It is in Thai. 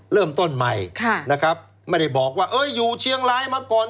เริ่มต้นใหม่ไม่ได้บอกว่าอยู่เชียงร้ายมาก่อน